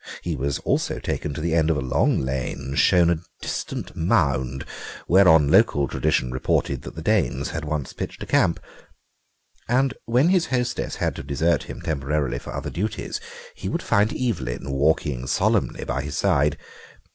He was also taken to the end of a long lane and shown a distant mound whereon local tradition reported that the Danes had once pitched a camp. And when his hostess had to desert him temporarily for other duties he would find Evelyn walking solemnly by his side.